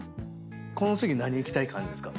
この次何いきたい感じですか？